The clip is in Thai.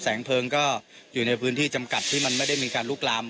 แสงเพลิงก็อยู่ในพื้นที่จำกัดที่มันไม่ได้มีการลุกลาม